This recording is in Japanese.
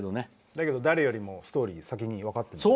でも誰よりもストーリー先に分かってる。